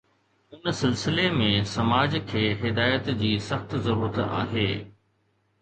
ان سلسلي ۾ سماج کي هدايت جي سخت ضرورت آهي.